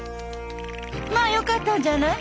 まあよかったんじゃない。